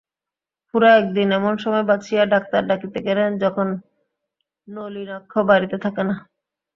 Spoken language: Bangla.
খুড়া একদিন এমন সময় বাছিয়া ডাক্তার ডাকিতে গেলেন যখন নলিনাক্ষ বাড়িতে থাকে না।